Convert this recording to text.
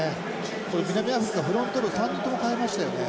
これ南アフリカフロントロー３人とも代えましたよね。